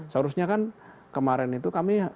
seharusnya kan kemarin itu kami